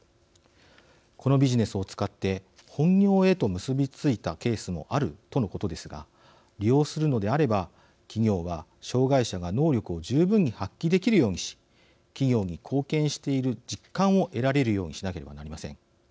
このビジネスを使って本業へと結び付いたケースもあるとのことですが利用するのであれば企業は、障害者が能力を十分に発揮できるようにし企業に貢献している実感を得られるようにしなければなりません。